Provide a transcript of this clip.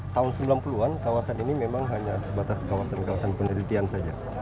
tahun sembilan puluh an kawasan ini memang hanya sebatas kawasan kawasan penelitian saja